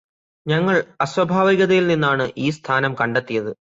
ഞങ്ങൾ അസ്വഭാവികതയിൽ നിന്നാണ് ഈ സ്ഥാനം കണ്ടെത്തിയത്